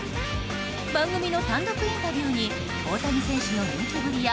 番組の単独インタビューに大谷選手の人気ぶりや